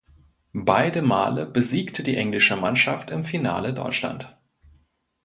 Beide Male besiegte die englische Mannschaft im Finale Deutschland.